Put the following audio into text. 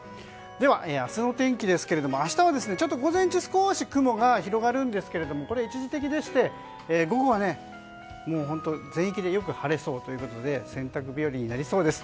では、明日の天気ですが明日は午前中、少し雲が広がるんですが、一時的でして午後は本当に全域で良く晴れそうということで洗濯日和になりそうです。